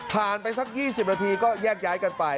ไปสัก๒๐นาทีก็แยกย้ายกันไป